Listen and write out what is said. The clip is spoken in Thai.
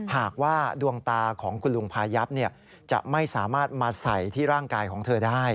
หากว่าดวงตาของคุณลุงพายับจะไม่สามารถมาใส่ที่ร่างกายของเธอได้